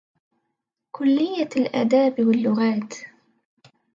كلية الأداب واللغات